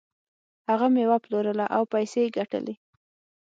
هغه میوه پلورله او پیسې یې ګټلې.